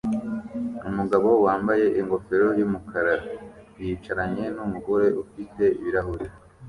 Umugabo wambaye ingofero yumukara yicaranye numugore ufite ibirahure